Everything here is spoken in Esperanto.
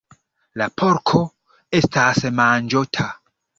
La porko estas manĝota.